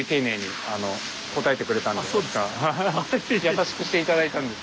優しくして頂いたんです。